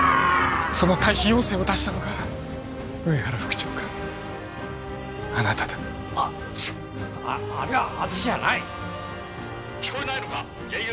その退避要請を出したのが上原副長官あなただあっ違うあれは私じゃない聞こえないのかＪＵ